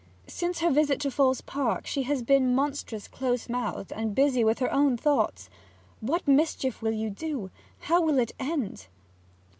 Since her visit to Falls Park she has been monstrous close mouthed and busy with her own thoughts. What mischief will you do? How will it end?'